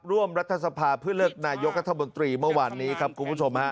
รัฐสภาเพื่อเลือกนายกรัฐมนตรีเมื่อวานนี้ครับคุณผู้ชมฮะ